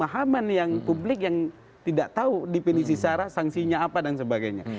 oleh pemahaman publik yang tidak tahu definisi sara sanksinya apa dan sebagainya